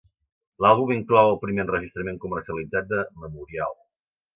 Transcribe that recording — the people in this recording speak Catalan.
L'àlbum inclou el primer enregistrament comercialitzat de "Memorial".